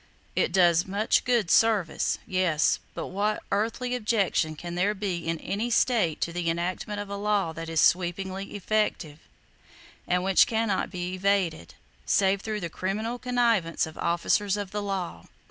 It does much good service, yes; but what earthly objection can there be in any state to the enactment of a law that is sweepingly effective, and which can not be evaded, save through the criminal connivance of officers of the law?